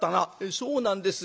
「そうなんです。